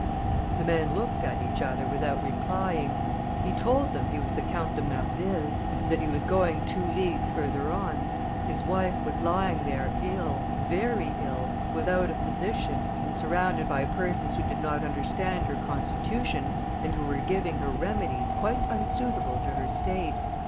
The men looked at each other without replying. He told them he was the Count de Marville, and that he was going two leagues further on. His wife was lying there ill, very ill, without a physician, and surrounded by persons who did not understand her constitution, and who were giving her remedies quite unsuitable to her state.